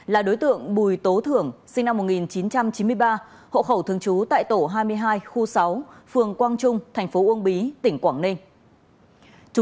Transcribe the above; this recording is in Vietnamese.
là đối tượng bùi tố thưởng sinh năm một nghìn chín trăm chín mươi ba hộ khẩu thường trú tại tổ hai mươi hai khu sáu phường quang trung thành phố uông bí tỉnh quảng ninh